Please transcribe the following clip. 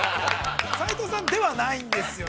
斉藤さんではないんですよ。